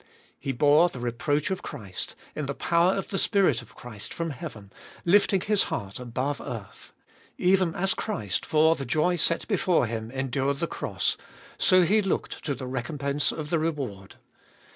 He bore the reproach of Christ, in the power of the Spirit of Christ from heaven, lifting his heart above earth. Even as Christ, for the joy set before Him, endured the cross, so he looked to the recompense of the reward.